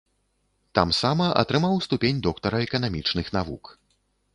Тамсама атрымаў ступень доктара эканамічных навук.